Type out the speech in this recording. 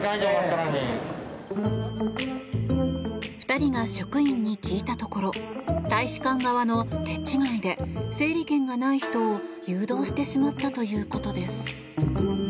２人が職員に聞いたところ大使館側の手違いで整理券がない人を誘導してしまったということです。